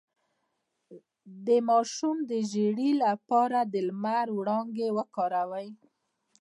د ماشوم د ژیړي لپاره د لمر وړانګې وکاروئ